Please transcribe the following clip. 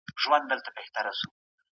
انتقادي فکر څنګه د غلطو معلوماتو مخه نيسي؟